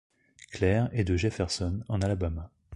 Clair et de Jefferson en Alabama.